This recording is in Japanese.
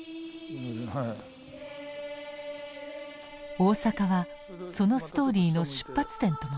大阪はそのストーリーの出発点ともいえる場所。